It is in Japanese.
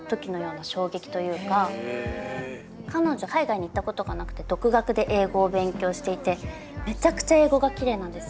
彼女海外に行ったことがなくて独学で英語を勉強していてめちゃくちゃ英語がきれいなんです。